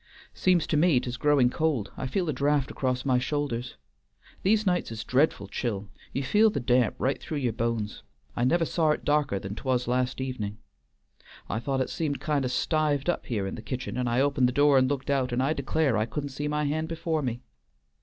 "Seems to me 't is growing cold; I felt a draught acrost my shoulders. These nights is dreadful chill; you feel the damp right through your bones. I never saw it darker than 't was last evenin'. I thought it seemed kind o' stived up here in the kitchen, and I opened the door and looked out, and I declare I couldn't see my hand before me."